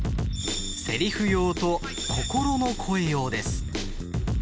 せりふ用と心の声用です。